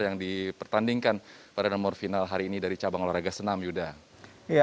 yang dipertandingkan pada nomor final hari ini dari cabang olahraga senam yudha